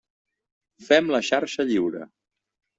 Fem la xarxa lliure.